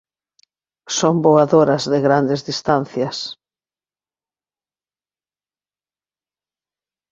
Son voadoras de grandes distancias.